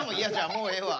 もうええわ。